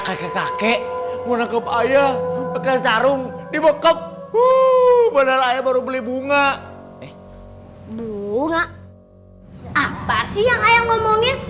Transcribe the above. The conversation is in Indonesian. kakek kakek menangkap ayah sarung di bokap uh baru beli bunga bunga apa sih yang ngomongnya